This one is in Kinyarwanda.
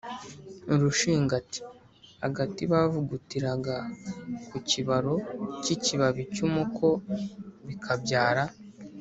urushingati: agati bavugutiraga ku kibaru k’ikibabi cy’umuko bikabyara